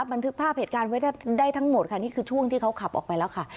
บันทึกภาพเหตุการณ์ไว้ได้ทั้งหมดค่ะนี่คือช่วงที่เขาขับออกไปแล้วค่ะ